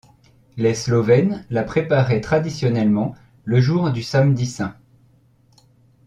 Les Slovènes la préparaient traditionnellement le jour du Samedi saint.